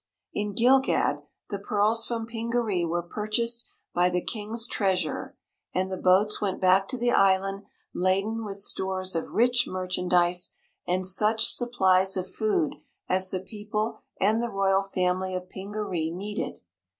In Gilgad the pearls from Pingaree were purchased by the King's treasurer, and the boats went back to the island laden with stores of rich merchandise and such supplies of food as the people and the royal family of Pingaree needed.